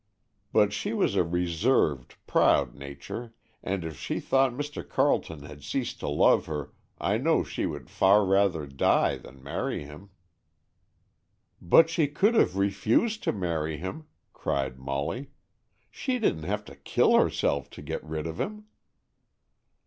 But she was a reserved, proud nature, and if she thought Mr. Carleton had ceased to love her, I know she would far rather die than marry him." "But she could have refused to marry him," cried Molly. "She didn't have to kill herself to get rid of him."